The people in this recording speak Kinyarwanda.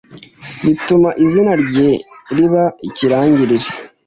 bituma izina rye riba ikirangirire.